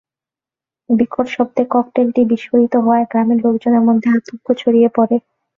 বিকট শব্দে ককটেলটি বিস্ফোরিত হওয়ায় গ্রামের লোকজনের মধ্যে আতঙ্ক ছড়িয়ে পড়ে।